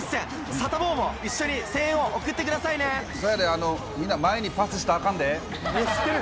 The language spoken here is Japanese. サタボーも一緒に声援を送ってくせやで、みんな、前にパスしたらあかんで。